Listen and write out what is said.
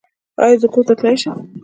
ایا زه کور ته تللی شم؟